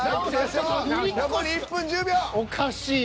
残り１分１０秒。